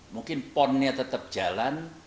mungkin ponnya tetap jalan